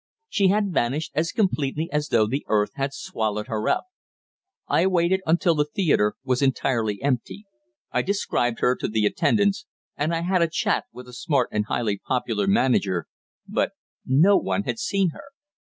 She had vanished as completely as though the earth had swallowed her up. I waited until the theatre was entirely empty. I described her to the attendants, and I had a chat with the smart and highly popular manager, but no one had seen her.